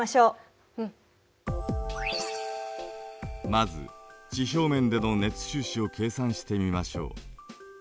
まず地表面での熱収支を計算してみましょう。